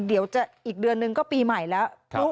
เดี๋ยวอีกเดือนหนึ่งก็ปีใหม่แล้ว